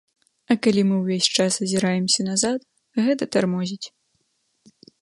А калі мы ўвесь час азіраемся назад, гэта тармозіць.